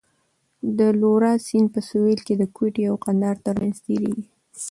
د لورا سیند په سوېل کې د کویټې او کندهار ترمنځ تېرېږي.